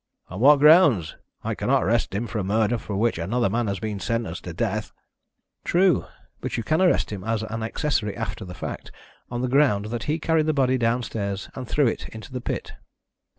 "On what grounds? I cannot arrest him for a murder for which another man has been sentenced to death." "True. But you can arrest him as accessory after the fact, on the ground that he carried the body downstairs and threw it into the pit."